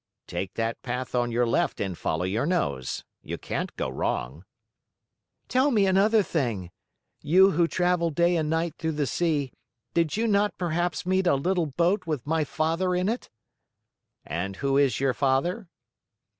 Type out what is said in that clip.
"Take that path on your left and follow your nose. You can't go wrong." "Tell me another thing. You who travel day and night through the sea, did you not perhaps meet a little boat with my father in it?" "And who is you father?"